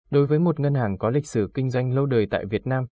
đối với một ngân hàng có lịch sử kinh doanh lâu đời tại việt nam